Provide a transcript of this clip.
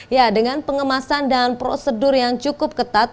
ya dengan pengemasan dan prosedur yang cukup ketat